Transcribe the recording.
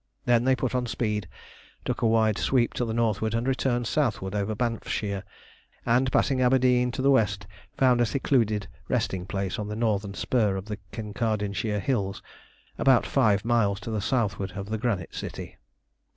They then put on speed, took a wide sweep to the northward, and returned southward over Banffshire, and passing Aberdeen to the west, found a secluded resting place on the northern spur of the Kincardineshire Hills, about five miles to the southward of the Granite City.